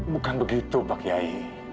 bukan begitu pak kiai